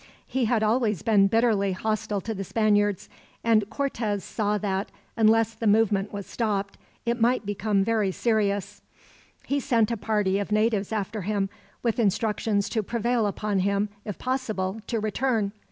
He had always been bitterly hostile to the Spaniards; and Cortez saw that, unless the movement was stopped, it might become very serious. He sent a party of natives after him, with instructions to prevail upon him, if possible, to return.